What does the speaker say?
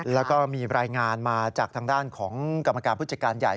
แล้วก็มีรายงานมาจากทางด้านของกรรมการผู้จัดการใหญ่